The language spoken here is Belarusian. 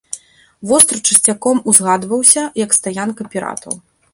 Востраў часцяком узгадваўся як стаянка піратаў.